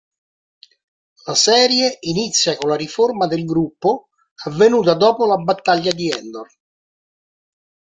La serie inizia con la riforma del gruppo avvenuta dopo la Battaglia di Endor.